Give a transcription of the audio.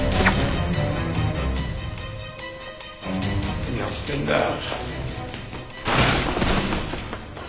何やってんだよ。